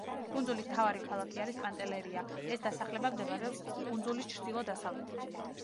კუნძულის მთავარი ქალაქი არის პანტელერია, ეს დასახლება მდებარეობს კუნძულის ჩრდილო-დასავლეთით.